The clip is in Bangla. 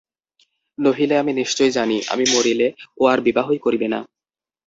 নহিলে, আমি নিশ্চয় জানি, আমি মরিলে ও আর বিবাহই করিবে না।